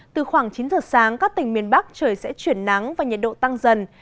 từ khoảng chín giờ sáng các tỉnh miền bắc trời sẽ chuyển nắng và nhiệt độ tăng dần